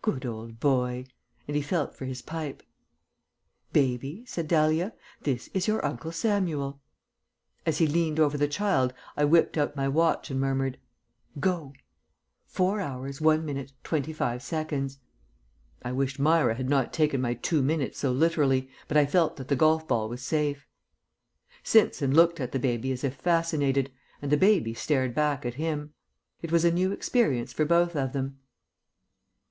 "Good old boy," and he felt for his pipe. "Baby," said Dahlia, "this is your Uncle Samuel." As he leant over the child I whipped out my watch and murmured, "Go!" 4 hrs. 1 min. 25 sec. I wished Myra had not taken my "two minutes" so literally, but I felt that the golf ball was safe. Simpson looked at the baby as if fascinated, and the baby stared back at him. It was a new experience for both of them.